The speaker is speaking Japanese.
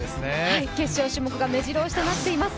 決勝種目が目白押しとなっています。